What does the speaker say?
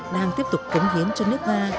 đang tiếp tục cống hiến cho nước ta